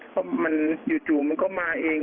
เพราะมันจู่มันก็มาเอง